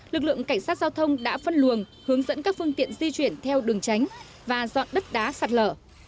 lực lượng cảnh sát giao thông đã phân luồng hướng dẫn các phương tiện di chuyển theo đường tránh và dọn đất đá sạt lở